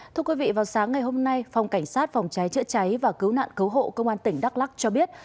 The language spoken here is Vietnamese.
thưa quý vị vào sáng ngày hôm nay phòng cảnh sát phòng cháy chữa cháy và cứu nạn cứu hộ công an tỉnh đắk lắc cho biết